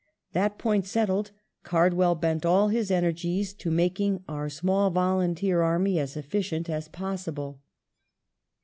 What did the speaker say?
That point settled. Card well bent all his energies to making our small volunteer army as efficient as possible.